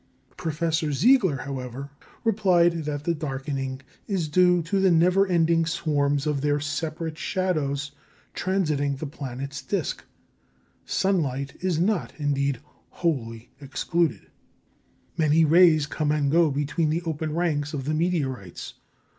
Professor Seeliger, however, replied that the darkening is due to the never ending swarms of their separate shadows transiting the planet's disc. Sunlight is not, indeed, wholly excluded. Many rays come and go between the open ranks of the meteorites.